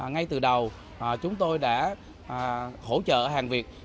ngay từ đầu chúng tôi đã hỗ trợ hàng việt